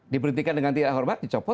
diperhentikan dengan tidak hormat dicopot